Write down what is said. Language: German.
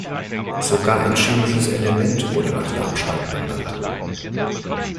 Sogar ein chemisches Element wurde nach Darmstadt benannt.